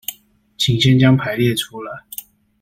請先將排列出來